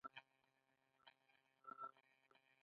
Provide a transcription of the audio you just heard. د بخارۍ نصب باید له احتیاطه کار واخلي.